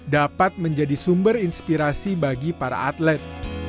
dapat menjadi sumber inspirasi bagi para atlet